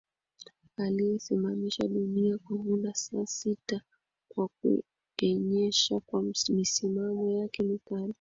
aliyesimamisha dunia kwa muda saa sita kwa kuienyesha kwa misimamo yake mikali